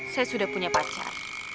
saya sudah punya pacar